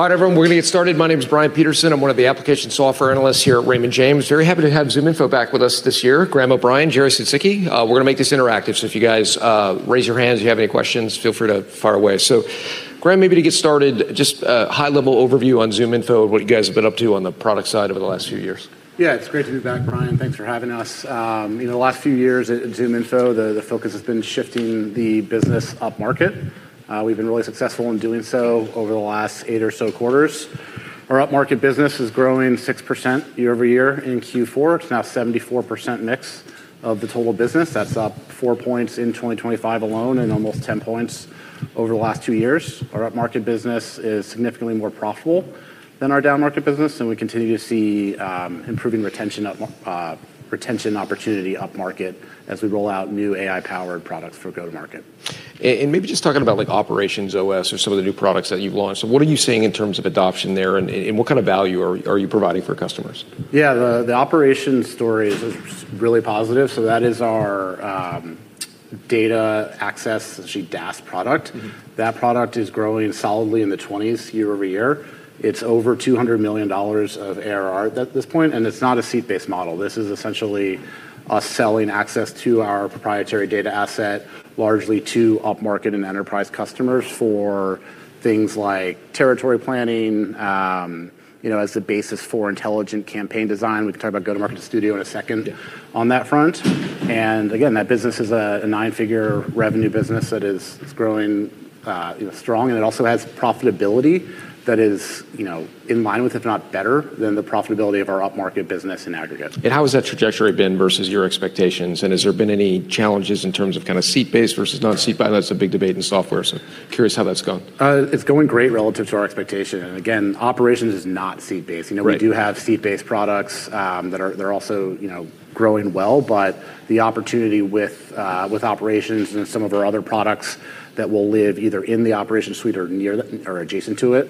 All right, everyone, we're gonna get started. My name is Brian Peterson. I'm one of the application software analysts here at Raymond James. Very happy to have ZoomInfo back with us this year. Graham O'Brien, Jerry Sadzicki. We're gonna make this interactive, so if you guys raise your hands if you have any questions, feel free to fire away. Graham, maybe to get started, just a high-level overview on ZoomInfo and what you guys have been up to on the product side over the last few years? Yeah, it's great to be back, Brian. Thanks for having us. You know, the last few years at ZoomInfo, the focus has been shifting the business upmarket. We've been really successful in doing so over the last 8 or so quarters. Our upmarket business is growing 6% year-over-year in Q4. It's now 74% mix of the total business. That's up 4 points in 2025 alone and almost 10 points over the last 2 years. Our upmarket business is significantly more profitable than our downmarket business, and we continue to see improving retention up, retention opportunity upmarket as we roll out new AI-powered products for go-to-market. Maybe just talking about, like, OperationsOS or some of the new products that you've launched. What are you seeing in terms of adoption there, and what kind of value are you providing for customers? Yeah. The operations story is really positive. That is our data access, essentially DaaS product. That product is growing solidly in the 20s year-over-year. It's over $200 million of ARR at this point, it's not a seat-based model. This is essentially us selling access to our proprietary data asset largely to upmarket and enterprise customers for things like territory planning, you know, as the basis for intelligent campaign design. We can talk about Go-To-Market Studio in a second- Yeah... on that front. Again, that business is a nine-figure revenue business that is growing, you know, strong, and it also has profitability that is, you know, in line with, if not better than the profitability of our upmarket business in aggregate. How has that trajectory been versus your expectations? Has there been any challenges in terms of kinda seat-based versus not seat-based? I know that's a big debate in software, curious how that's gone. It's going great relative to our expectation. Again, operations is not seat-based. Right. You know, we do have seat-based products, they're also, you know, growing well. The opportunity with operations and some of our other products that will live either in the operations suite or near that or adjacent to it,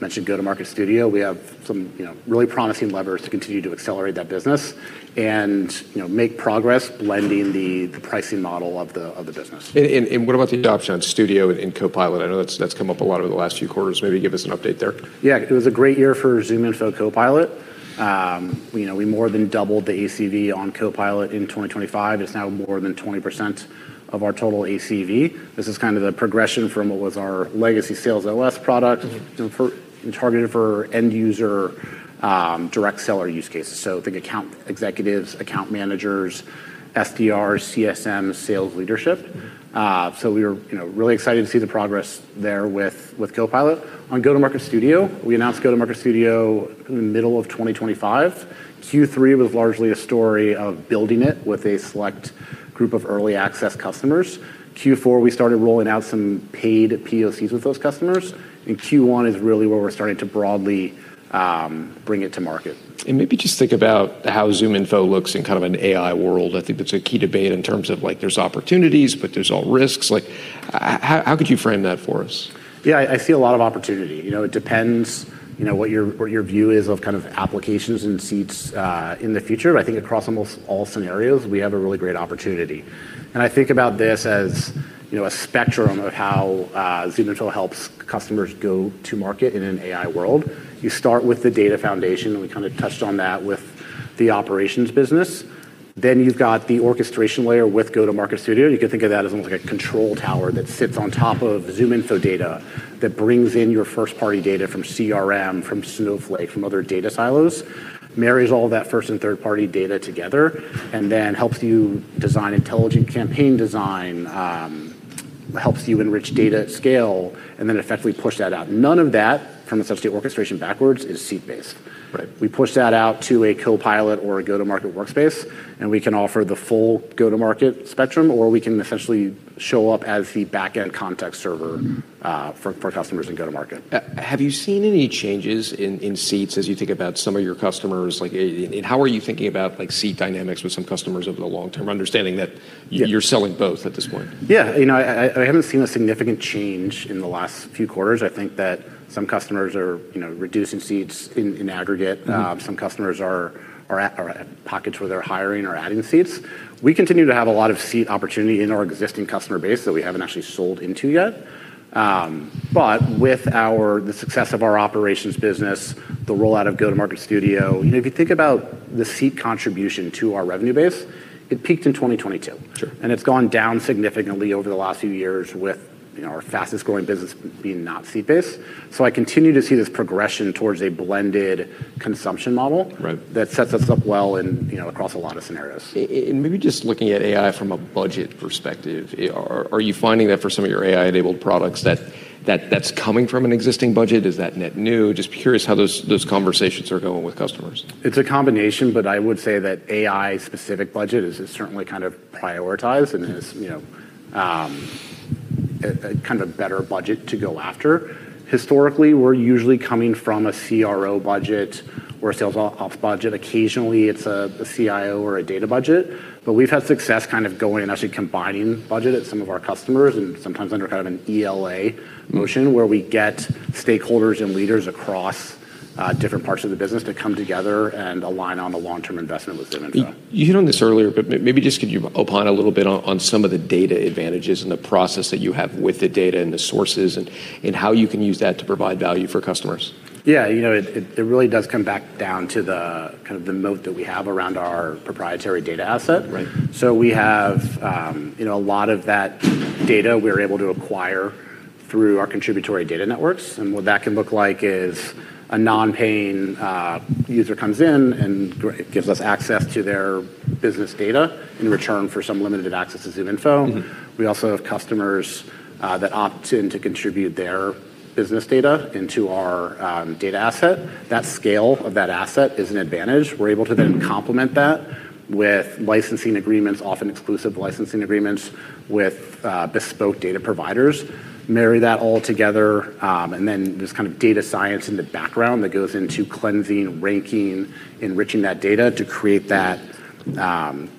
mentioned Go-to-Market Studio, we have some, you know, really promising levers to continue to accelerate that business and, you know, make progress blending the pricing model of the business. What about the adoption on Studio and in Copilot? I know that's come up a lot over the last few quarters. Maybe give us an update there. Yeah. It was a great year for ZoomInfo Copilot. you know, we more than doubled the ACV on Copilot in 2025. It's now more than 20% of our total ACV. This is kind of the progression from what was our legacy SalesOS product targeted for end user, direct seller use cases, so think account executives, account managers, SDRs, CSMs, sales leadership. We're, you know, really excited to see the progress there with Copilot. On Go-To-Market Studio, we announced Go-To-Market Studio in the middle of 2025. Q3 was largely a story of building it with a select group of early access customers. Q4, we started rolling out some paid POCs with those customers. Q1 is really where we're starting to broadly bring it to market. Maybe just think about how ZoomInfo looks in kind of an AI world. I think that's a key debate in terms of, like, there's opportunities, but there's all risks. How could you frame that for us? Yeah. I see a lot of opportunity. You know, it depends, you know, what your, what your view is of kind of applications and seats in the future. I think across almost all scenarios, we have a really great opportunity. I think about this as, you know, a spectrum of how ZoomInfo helps customers go to market in an AI world. You start with the data foundation, and we kinda touched on that with the operations business. You've got the orchestration layer with Go-to-Market Studio. You can think of that as almost like a control tower that sits on top of ZoomInfo data that brings in your first-party data from CRM, from Snowflake, from other data silos, marries all that first and third-party data together, and then helps you design intelligent campaign design, helps you enrich data at scale, and then effectively push that out. None of that, from essentially orchestration backwards, is seat-based. Right. We push that out to a Copilot or a GTM Workspace, and we can offer the full go-to-market spectrum, or we can essentially show up as the back-end context server for customers in go-to-market. Have you seen any changes in seats as you think about some of your customers? Like, how are you thinking about, like, seat dynamics with some customers over the long term? Yeah... you're selling both at this point? Yeah. You know, I haven't seen a significant change in the last few quarters. I think that some customers are, you know, reducing seats in aggregate. Mm-hmm. Some customers are at pockets where they're hiring or adding seats. We continue to have a lot of seat opportunity in our existing customer base that we haven't actually sold into yet. With the success of our operations business, the rollout of Go-To-Market Studio, you know, if you think about the seat contribution to our revenue base, it peaked in 2022. Sure. It's gone down significantly over the last few years with, you know, our fastest-growing business being not seat-based. I continue to see this progression towards a blended consumption model. Right... that sets us up well in, you know, across a lot of scenarios. Maybe just looking at AI from a budget perspective, are you finding that for some of your AI-enabled products that that's coming from an existing budget? Is that net new? Just curious how those conversations are going with customers. It's a combination, but I would say that AI-specific budget is certainly kind of prioritized and is, you know, kind of better budget to go after. Historically, we're usually coming from a CRO budget or a sales OP budget. Occasionally, it's a CIO or a data budget. We've had success kind of going and actually combining budget at some of our customers and sometimes under kind of an ELA motion, where we get stakeholders and leaders across different parts of the business to come together and align on the long-term investment with ZoomInfo. You hit on this earlier, maybe just could you elaborate a little bit on some of the data advantages and the process that you have with the data and the sources and how you can use that to provide value for customers? Yeah. You know, it really does come back down to the kind of moat that we have around our proprietary data asset. Right. We have a lot of that data we're able to acquire through our contributory data networks. What that can look like is a non-paying user comes in and gives us access to their business data in return for some limited access to ZoomInfo. Mm-hmm. We also have customers that opt in to contribute their business data into our data asset. That scale of that asset is an advantage. We're able to then complement that with licensing agreements, often exclusive licensing agreements with bespoke data providers. Marry that all together, and then there's kind of data science in the background that goes into cleansing, ranking, enriching that data to create that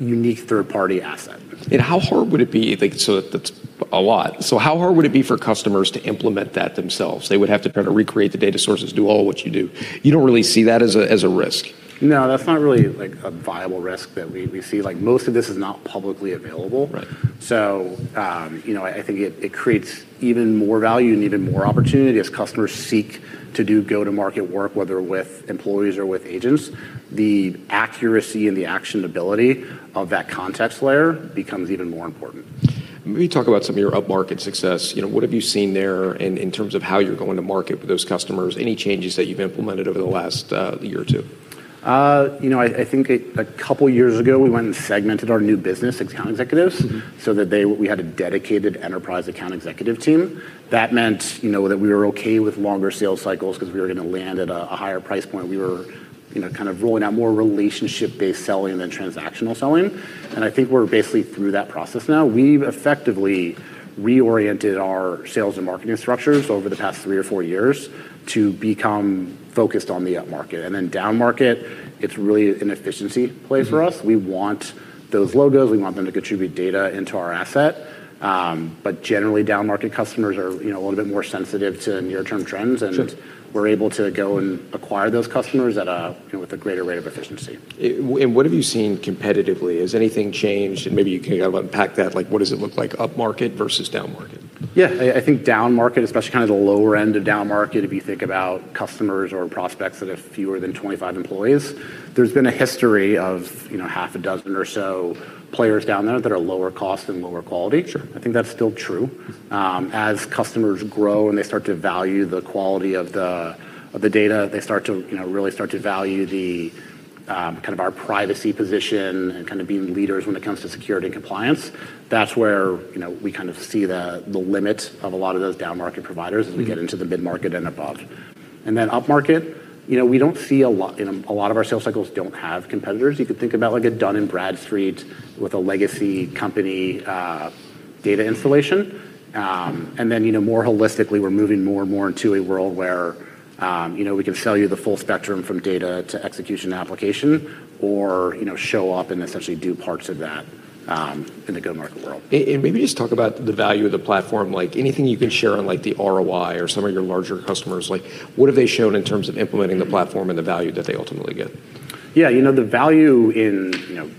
unique third-party asset. Like, that's a lot. How hard would it be for customers to implement that themselves? They would have to try to recreate the data sources, do all what you do. You don't really see that as a, as a risk? No, that's not really a viable risk that we see. Like, most of this is not publicly available. Right. You know, I think it creates even more value and even more opportunity as customers seek to do go-to-market work, whether with employees or with agents. The accuracy and the actionability of that context layer becomes even more important. Maybe talk about some of your up-market success. You know, what have you seen there in terms of how you're going to market with those customers? Any changes that you've implemented over the last year or two? You know, I think a couple years ago, we went and segmented our new business account executives. Mm-hmm... so that we had a dedicated enterprise account executive team. That meant, you know, that we were okay with longer sales cycles 'cause we were gonna land at a higher price point. We were kind of rolling out more relationship-based selling than transactional selling, and I think we're basically through that process now. We've effectively reoriented our sales and marketing structures over the past three or four years to become focused on the up market. Down market, it's really an efficiency play for us. Mm-hmm. We want those logos. We want them to contribute data into our asset. Generally, down market customers are a little bit more sensitive to near-term trends. Sure We're able to go and acquire those customers with a greater rate of efficiency. And what have you seen competitively? Has anything changed? Maybe you can kind of unpack that. Like, what does it look like up market versus down market? I think down market, especially kind of the lower end of down market, if you think about customers or prospects that have fewer than 25 employees, there's been a history of, you know, half a dozen or so players down there that are lower cost and lower quality. Sure. I think that's still true. As customers grow and they start to value the quality of the data, they, you know, really start to value the kind of our privacy position and kinda being leaders when it comes to security and compliance. That's where, you know, we kind of see the limit of a lot of those down market providers. Mm-hmm... as we get into the mid-market and above. Up market, you know, we don't see a lot, and a lot of our sales cycles don't have competitors. You can think about like a Dun & Bradstreet with a legacy company, data installation. More holistically, we're moving more and more into a world where, you know, we can sell you the full spectrum from data to execution application or, you know, show up and essentially do parts of that, in the go-to-market world. Maybe just talk about the value of the platform, like, anything you can share on, like, the ROI or some of your larger customers, like, what have they shown in terms of implementing the platform and the value that they ultimately get? Yeah. You know, the value in, you know,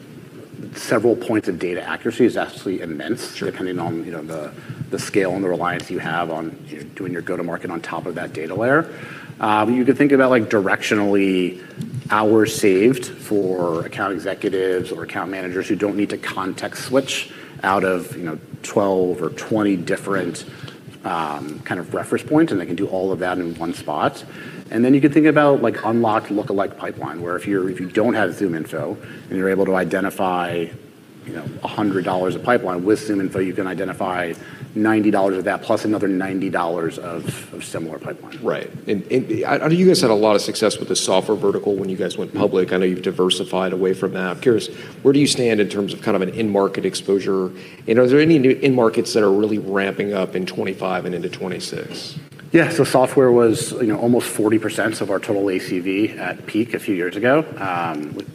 several points of data accuracy is absolutely immense. Sure... depending on, you know, the scale and the reliance you have on doing your go-to-market on top of that data layer. You could think about, like, directionally hours saved for account executives or account managers who don't need to context switch out of, you know, 12 or 20 different kind of reference points, and they can do all of that in one spot. Then you can think about, like, unlocked look-alike pipeline, where if you don't have ZoomInfo and you're able to identify, you know, $100 of pipeline, with ZoomInfo you can identify $90 of that plus another $90 of similar pipeline. Right. I know you guys had a lot of success with the software vertical when you guys went public. I know you've diversified away from that. I'm curious, where do you stand in terms of kind of an end market exposure? Are there any new end markets that are really ramping up in 2025 and into 2026? Yeah. Software was, you know, almost 40% of our total ACV at peak a few years ago.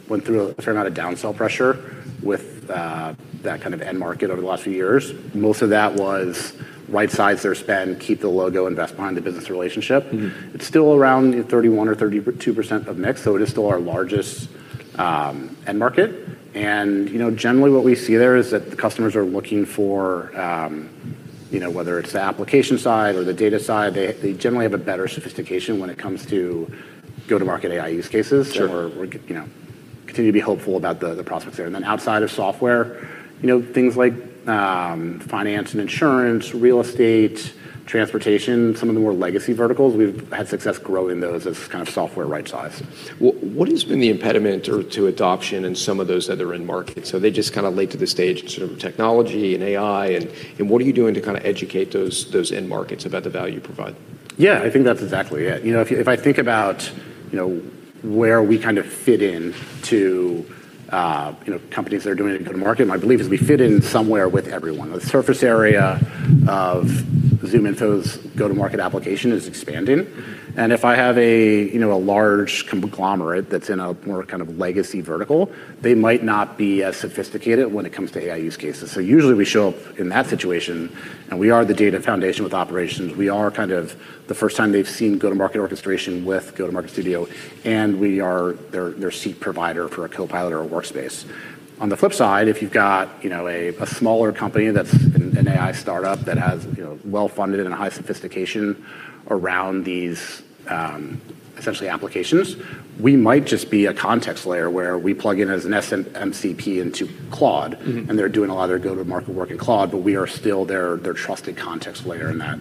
Went through a fair amount of downsell pressure with that kind of end market over the last few years. Most of that was rightsize their spend, keep the logo, invest behind the business relationship. Mm-hmm. It's still around 31% or 32% of mix, so it is still our largest end market. You know, generally what we see there is that the customers are looking for, you know, whether it's the application side or the data side, they generally have a better sophistication when it comes to go-to-market AI use cases. Sure. You know, continue to be hopeful about the prospects there. Outside of software, you know, things like finance and insurance, real estate, transportation, some of the more legacy verticals, we've had success growing those as kind of software rightsize. Well, what has been the impediment or to adoption in some of those other end markets? Are they just kinda late to the stage in sort of technology and AI and what are you doing to kinda educate those end markets about the value you provide? Yeah, I think that's exactly it. You know, if I think about, you know, where we kind of fit in t companies that are doing a go-to-market, my belief is we fit in somewhere with everyone. The surface area of ZoomInfo's go-to-market application is expanding. If I have a large conglomerate that's in a more kind of legacy vertical, they might not be as sophisticated when it comes to AI use cases. Usually we show up in that situation. We are the data foundation with Operations. We are kind of the first time they've seen go-to-market orchestration with Go-to-Market Studio. We are their seat provider for a Copilot or a Workspace. On the flip side, if you've got, you know, a smaller company that's an AI startup that has, you know, well-funded and a high sophistication, Around these, essentially applications. We might just be a context layer where we plug in as an MCP into Claude. Mm-hmm. They're doing a lot of their go-to-market work in Claude, but we are still their trusted context layer in that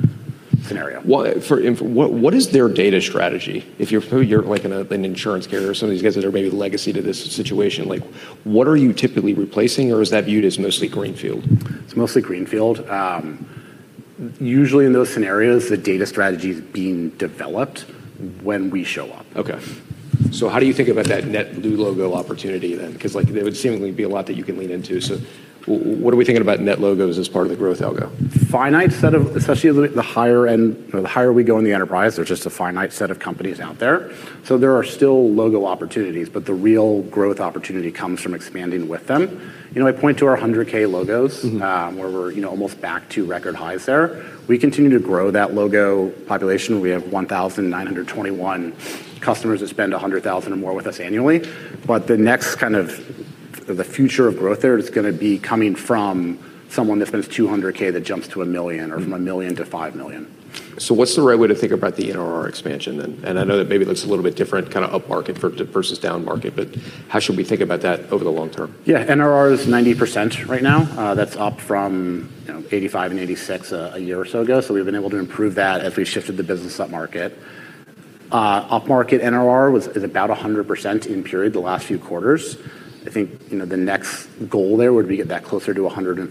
scenario. What is their data strategy? If you're like an insurance carrier or some of these guys that are maybe legacy to this situation, like, what are you typically replacing or is that viewed as mostly greenfield? It's mostly greenfield. Usually in those scenarios, the data strategy's being developed when we show up. Okay. How do you think about that net new logo opportunity then? Like, there would seemingly be a lot that you can lean into. What are we thinking about net logos as part of the growth algo? Finite set of, especially at the higher end. You know, the higher we go in the enterprise, there's just a finite set of companies out there. There are still logo opportunities, but the real growth opportunity comes from expanding with them. You know, I point to our 100K logos. Mm-hmm. where we're, you know, almost back to record highs there. We continue to grow that logo population. We have 1,921 customers that spend $100,000 or more with us annually. The next kind of the future of growth there is gonna be coming from someone that spends $200K that jumps to $1 million. Mm. -or from $1 million-$5 million. What's the right way to think about the NRR expansion then? I know that maybe it looks a little bit different kind of up market versus down market, but how should we think about that over the long term? Yeah. NRR is 90% right now. That's up from, you know, 85% and 86%, a year or so ago. We've been able to improve that as we shifted the business up market. Up market NRR is about 100% in period the last few quarters. I think, you know, the next goal there would be get that closer to 105%.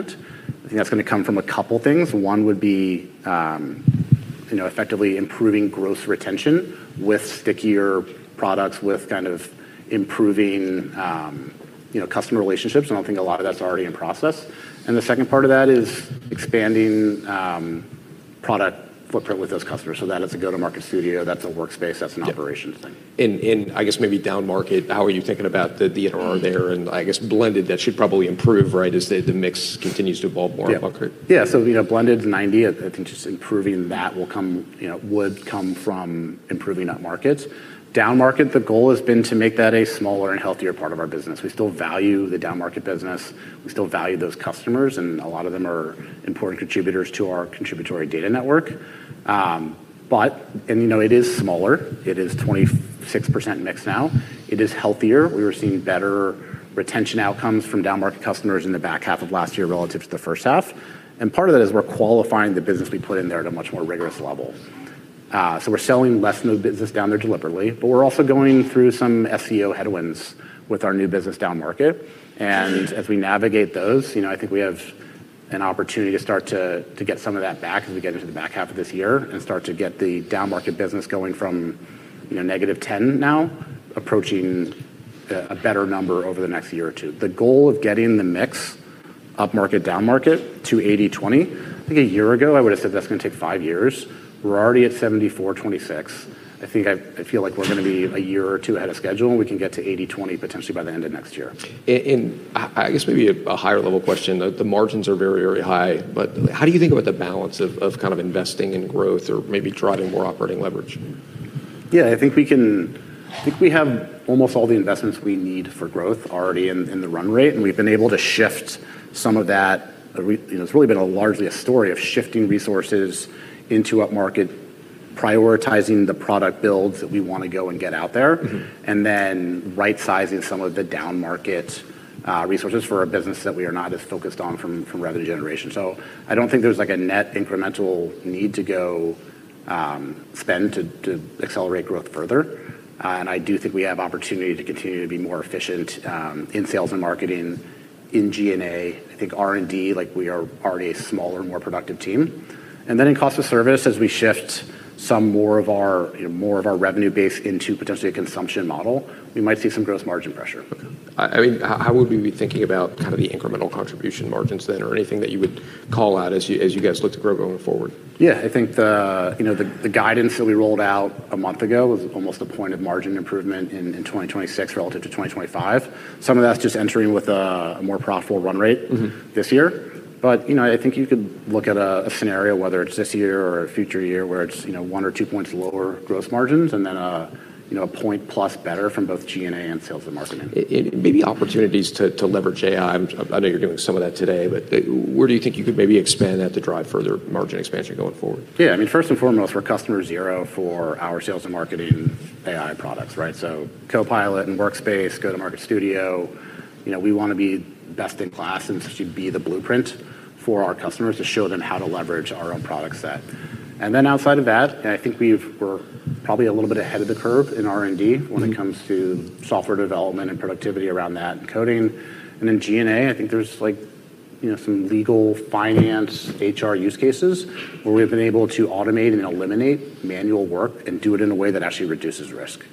I think that's gonna come from a couple things. One would be, you know, effectively improving growth retention with stickier products, with kind of improving, you know, customer relationships. I think a lot of that's already in process. The second part of that is expanding product footprint with those customers. That is a Go-To-Market Studio. That's a GTM Workspace. That's an operation thing. In, I guess maybe down market, how are you thinking about the NRR there and I guess blended that should probably improve, right? As the mix continues to evolve more and more. You know, blended 90, I think just improving that will come, you know, would come from improving up markets. Down market, the goal has been to make that a smaller and healthier part of our business. We still value the down-market business. We still value those customers, and a lot of them are important contributors to our contributory data network. You know, it is smaller. It is 26% mix now. It is healthier. We are seeing better retention outcomes from down-market customers in the back half of last year relative to the first half, part of that is we're qualifying the business we put in there at a much more rigorous level. We're selling less new business down there deliberately, we're also going through some SEO headwinds with our new business down market. As we navigate those, you know, I think we have an opportunity to start to get some of that back as we get into the back half of this year and start to get the down-market business going from, you know, -10% now approaching a better number over the next year or 2. The goal of getting the mix up market, down market to 80/20, I think a year ago, I would've said that's gonna take 5 years. We're already at 74/26. I feel like we're gonna be a year or 2 ahead of schedule, and we can get to 80/20 potentially by the end of next year. I guess maybe a higher level question, the margins are very, very high, but how do you think about the balance of kind of investing in growth or maybe driving more operating leverage? Yeah. I think we have almost all the investments we need for growth already in the run rate, and we've been able to shift some of that. You know, it's really been a largely a story of shifting resources into up market, prioritizing the product builds that we wanna go and get out there. Mm-hmm. Right-sizing some of the down market resources for a business that we are not as focused on from revenue generation. I don't think there's like a net incremental need to go spend to accelerate growth further. I do think we have opportunity to continue to be more efficient in sales and marketing in GNA. I think R&D, like, we are already a smaller and more productive team. In cost of service, as we shift some more of our, you know, more of our revenue base into potentially a consumption model, we might see some gross margin pressure. Okay. I mean, how would we be thinking about kind of the incremental contribution margins then or anything that you would call out as you guys look to grow going forward? Yeah. I think the, you know, the guidance that we rolled out a month ago was almost a point of margin improvement in 2026 relative to 2025. Some of that's just entering with a more profitable run rate- Mm-hmm. this year. You know, I think you could look at a scenario, whether it's this year or a future year, where it's, you know, 1 or 2 points lower gross margins and then, you know, 1 point plus better from both GNA and sales and marketing. Maybe opportunities to leverage AI. I know you're doing some of that today, but where do you think you could maybe expand that to drive further margin expansion going forward? Yeah. I mean, first and foremost, we're customer zero for our sales and marketing AI products, right? Copilot and Workspace, Go-To-Market Studio, you know, we wanna be best in class and to be the blueprint for our customers to show them how to leverage our own product set. Outside of that, I think we're probably a little bit ahead of the curve in R&D when it comes to software development and productivity around that and coding. GNA, I think there's like, you know, some legal finance HR use cases where we've been able to automate and eliminate manual work and do it in a way that actually reduces risk.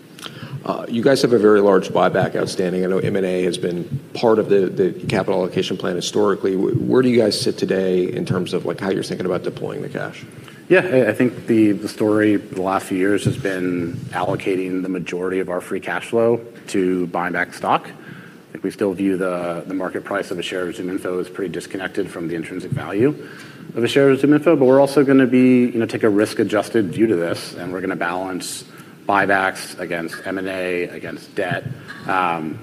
You guys have a very large buyback outstanding. I know M&A has been part of the capital allocation plan historically. Where do you guys sit today in terms of, like, how you're thinking about deploying the cash? I think the story the last few years has been allocating the majority of our free cash flow to buy back stock. I think we still view the market price of a share of ZoomInfo as pretty disconnected from the intrinsic value of a share of ZoomInfo. We're also gonna be, you know, take a risk-adjusted view to this, and we're gonna balance buybacks against M&A, against debt.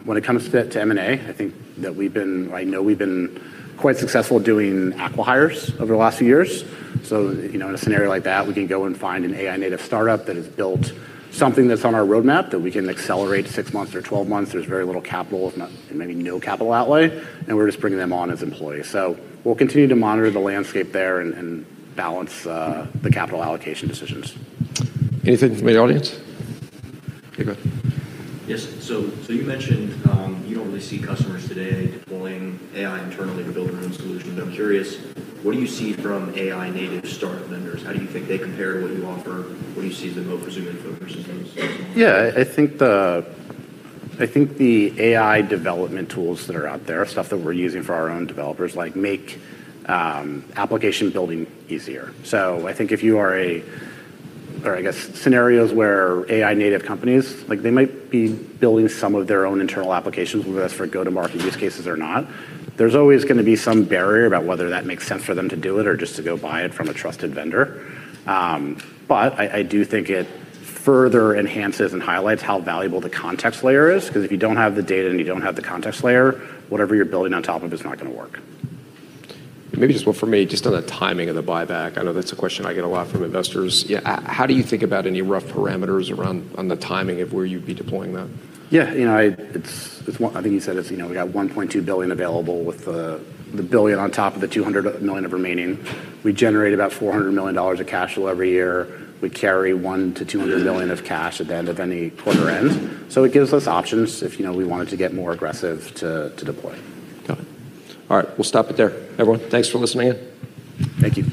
When it comes to M&A, I know we've been quite successful doing acquihires over the last few years. In a scenario like that, we can go and find an AI native startup that has built something that's on our roadmap that we can accelerate 6 months or 12 months. There's very little capital, if not maybe no capital outlay, and we're just bringing them on as employees. We'll continue to monitor the landscape there and balance the capital allocation decisions. Anything from the audience? Okay, go ahead. Yes. You mentioned, you don't really see customers today deploying AI internally to build their own solutions. I'm curious, what do you see from AI native startup vendors? How do you think they compare to what you offer? What do you see as the moat for ZoomInfo versus those? Yeah. I think the AI development tools that are out there, stuff that we're using for our own developers, like, make application building easier. I think if you are, or I guess scenarios where AI native companies, like, they might be building some of their own internal applications with us for go-to-market use cases or not. There's always gonna be some barrier about whether that makes sense for them to do it or just to go buy it from a trusted vendor. I do think it further enhances and highlights how valuable the context layer is, 'cause if you don't have the data and you don't have the context layer, whatever you're building on top of is not gonna work. Maybe just one for me, just on the timing of the buyback. I know that's a question I get a lot from investors. Yeah. How do you think about any rough parameters around, on the timing of where you'd be deploying that? Yeah. You know, I think you said it's, you know, we got $1.2 billion available with the $1 billion on top of the $200 million of remaining. We generate about $400 million of cash flow every year. We carry $100 million-$200 million of cash at the end of any quarter end. It gives us options if, you know, we wanted to get more aggressive to deploy. Got it. All right. We'll stop it there, everyone. Thanks for listening in. Thank you.